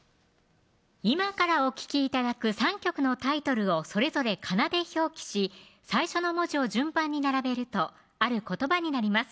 今からお聴き頂く３曲のタイトルをそれぞれかなで表記し最初の文字を順番に並べるとある言葉になります